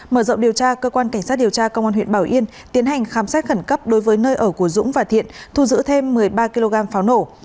mở rộng điều tra cơ quan cảnh sát điều tra công an huyện bảo yên tiến hành khám xét khẩn cấp đối với nơi ở của dũng và thiện thu giữ thêm một mươi ba kg pháo nổ